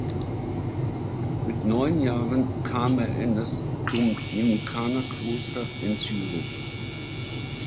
Mit neun Jahren kam er in das Dominikanerkloster in Zürich.